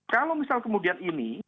kalau misalnya kemudian ini